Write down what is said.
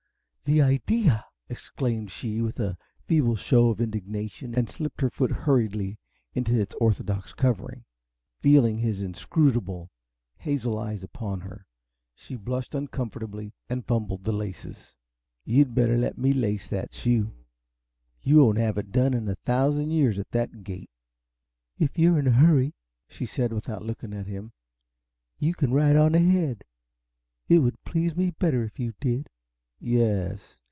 "The idea!" exclaimed she, with a feeble show of indignation, and slipped her foot hurriedly into its orthodox covering. Feeling his inscrutable, hazel eyes upon her, she blushed uncomfortably and fumbled the laces. "You better let me lace that shoe you won't have it done in a thousand years, at that gait." "If you're in a hurry," said she, without looking at him, "you can ride on ahead. It would please me better if you did." "Yes?